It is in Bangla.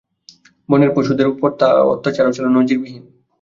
বনের পশুদের ওপর তার অত্যচারও ছিল নজিরবিহীন।